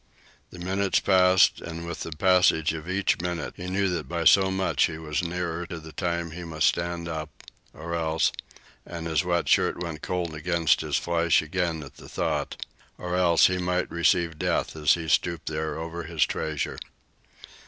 The minutes passed, and with the passage of each minute he knew that by so much he was nearer the time when he must stand up, or else and his wet shirt went cold against his flesh again at the thought or else he might receive death as he stooped there over his treasure.